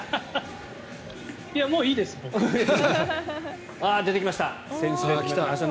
もういいです、僕は。